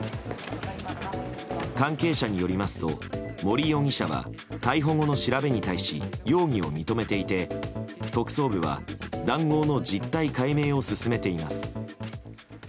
関係者によりますと森容疑者は逮捕後の調べに対し容疑を認めていて特捜部は談合の実態解明を進めています。